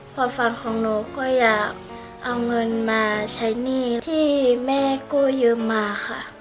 ความฝันของหนูก็อยากเอาเงินมาใช้หนี้ที่แม่กู้ยืมมาค่ะ